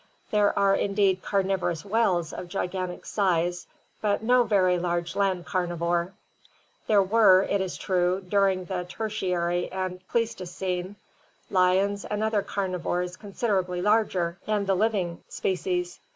There are indeed carnivorous whales of gigantic size, but no very large land carnivore. There were, it is true, during the Tertiary and Pleis tocene, lions and other carnivores considerably larger than the living species.